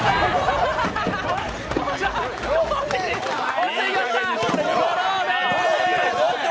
落ちていきました。